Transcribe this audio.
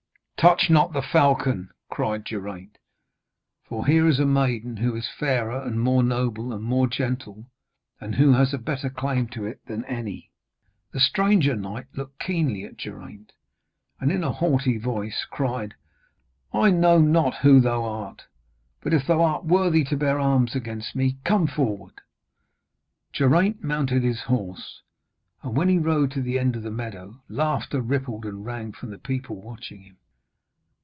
'Touch not the falcon!' cried Geraint, 'for here is a maiden who is fairer, and more noble, and more gentle, and who has a better claim to it than any.' The stranger knight looked keenly at Geraint, and in a haughty voice cried: 'I know not who thou art; but if thou art worthy to bear arms against me, come forward.' Geraint mounted his horse, and when he rode to the end of the meadow laughter rippled and rang from the people watching him.